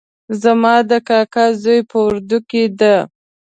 زما د کاکا زوی په اردو کې ده